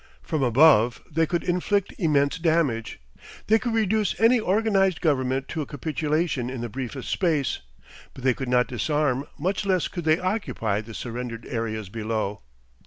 From above they could inflict immense damage; they could reduce any organised Government to a capitulation in the briefest space, but they could not disarm, much less could they occupy, the surrendered areas below.